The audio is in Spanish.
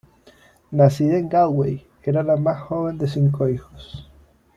Nacida en Galway era la más joven de cinco hijos.